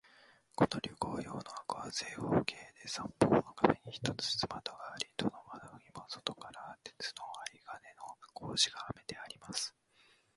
この旅行用の箱は、正方形で、三方の壁に一つずつ窓があり、どの窓にも外側から鉄の針金の格子がはめてあります。